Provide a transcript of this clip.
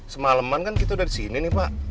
semalaman kan kita udah di sini nih pak